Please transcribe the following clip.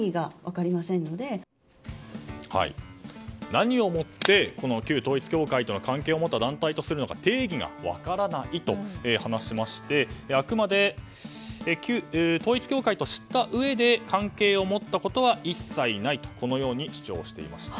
何をもって旧統一教会との関係を持った団体とするのか定義が分からないと話しましてあくまで統一教会と知ったうえで関係を持ったことは一切ないとこのように主張していました。